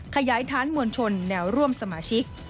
ขยายฐานมวลชนแนวร่วมสมาชิก